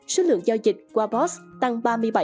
số lượng giao dịch qua bos tăng ba mươi bảy năm